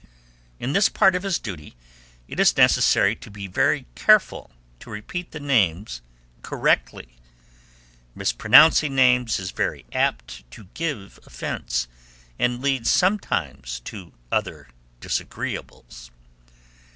In this part of his duty it is necessary to be very careful to repeat the names correctly; mispronouncing names is very apt to give offence, and leads sometimes to other disagreeables.